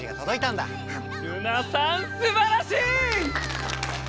ルナさんすばらしい！